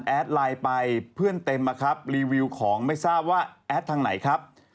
ไลน์ไปเพื่อนเต็มมาครับรีวิวของไม่ทราบว่าแอดทางไหนครับ